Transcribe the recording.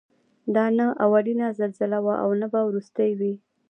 دا نه اولینه زلزله وه او نه به وروستۍ وي.